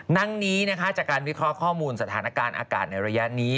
ทั้งนี้นะคะจากการวิเคราะห์ข้อมูลสถานการณ์อากาศในระยะนี้